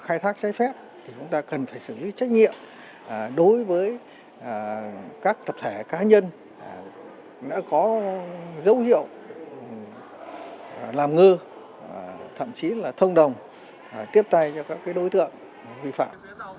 khai thác trái phép thì chúng ta cần phải xử lý trách nhiệm đối với các tập thể cá nhân đã có dấu hiệu làm ngơ thậm chí là thông đồng tiếp tay cho các đối tượng vi phạm